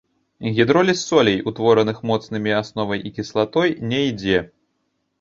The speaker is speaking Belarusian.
Гідроліз солей, утвораных моцнымі асновай і кіслатой, не ідзе.